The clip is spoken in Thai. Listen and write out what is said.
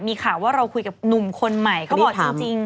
มีข่าวว่าเราคุยกับหนุ่มคนใหม่ก็บอกจริง